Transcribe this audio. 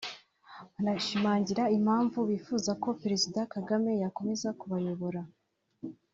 banashimangira impamvu bifuza ko Perezida Kagame yakomeza kubayobora